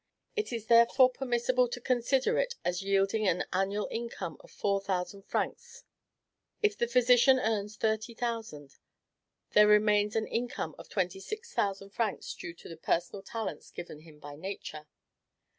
It is therefore permissible to consider it as yielding an annual income of four thousand francs. If the physician earns thirty thousand, there remains an income of twenty six thousand francs due to the personal talents given him by Nature.